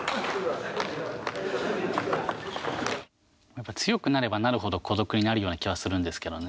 やっぱ、強くなればなるほど孤独になるような気はするんですけど。